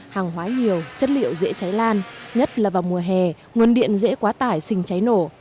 hàng hóa nhiều chất liệu dễ cháy lan nhất là vào mùa hè nguồn điện dễ quá tải xình cháy nổ